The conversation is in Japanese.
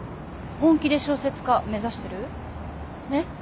本気で小説家目指してる？えっ？